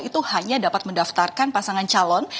itu hanya dapat mendaftarkan pasangan calon